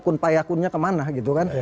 kun payah kunnya kemana gitu kan